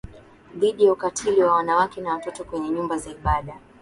dhidi ya ukatili wa wanawake na watoto kwenye nyumba za ibada